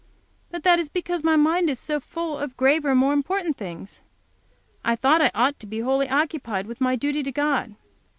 But that is because my mind is so full of graver, more important things. I thought I ought to be wholly occupied with my duty to God.